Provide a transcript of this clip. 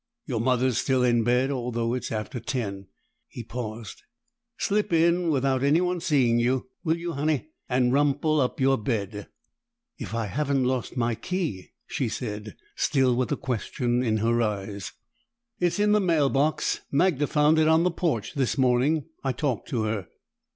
Your mother's still in bed, although it's after ten." He paused. "Slip in without anyone seeing you, will you, Honey? And rumple up your bed." "If I haven't lost my key," she said, still with the question in her eyes. "It's in the mail box. Magda found it on the porch this morning. I talked to her."